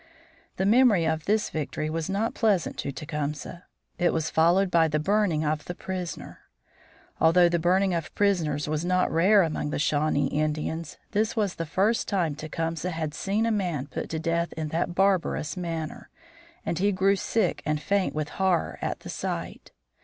The memory of this victory was not pleasant to Tecumseh. It was followed by the burning of the prisoner. Although the burning of prisoners was not rare among the Shawnee Indians this was the first time Tecumseh had seen a man put to death in that barbarous manner, and he grew sick and faint with horror at the sight.